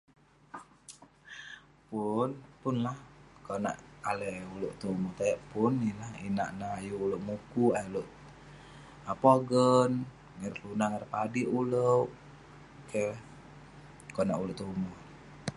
Pun, pun lah. Konak alai ulouk tumu, tajak pun ineh inak ineh ayuk ulouk mukuk, ayuk ulouk um pogen ngan ireh kelunan ireh padik ulouk. Keh. Konak ulouk tong ume'.